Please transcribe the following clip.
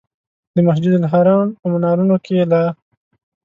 د مسجدالحرام په منارونو کې لا.